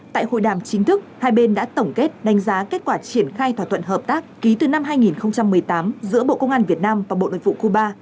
tại hội đàm chính thức hai bên đã tổng kết đánh giá kết quả triển khai thỏa thuận hợp tác ký từ năm hai nghìn một mươi tám giữa bộ công an việt nam và bộ nội vụ cuba